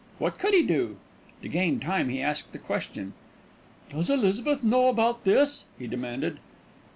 What could he do? To gain time he asked a question. "Does Elizabeth know about this?" he demanded.